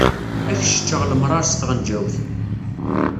Ad ak-seččeɣ lemṛaṛ s tɣenjawt.